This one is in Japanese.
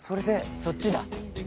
そっちだ。